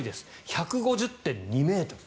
１５０．２ｍ。